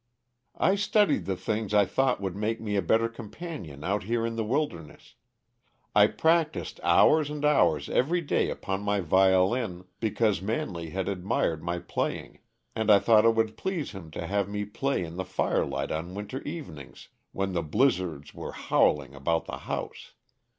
"I studied the things I thought would make me a better companion out here in the wilderness. I practiced hours and hours every day upon my violin, because Manley had admired my playing, and I thought it would please him to have me play in the firelight on winter evenings, when the blizzards were howling about the house!